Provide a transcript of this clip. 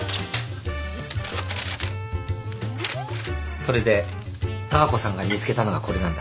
それでダー子さんが見つけたのがこれなんだ。